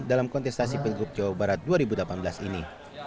dalam kontestasi pilgub jawa barat dua ribu delapan belas ini